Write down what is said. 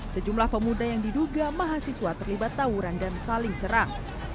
sejumlah pemuda yang diduga mahasiswa terlibat tawuran dan saling serang